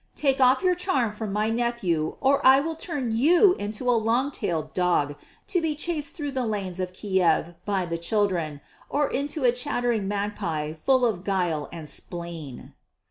Take off your charm from my nephew or I will turn you into a long tailed dog to be chased through the lanes of Kiev by the children, or into a chattering magpie full of guile and spleen."